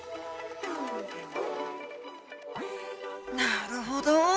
なるほど！